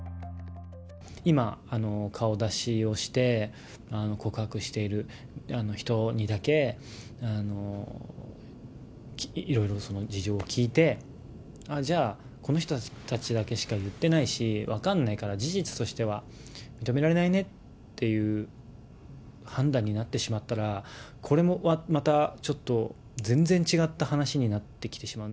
今、顔出しをして、告白している人にだけいろいろ事情を聞いて、じゃあ、この人たちだけしか言ってないし、分かんないから事実としては認められないねっていう判断になってしまったら、これもまたちょっと、全然違った話になってきてしまう。